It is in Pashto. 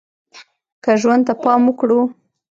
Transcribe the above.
که ژوند ته پام وکړو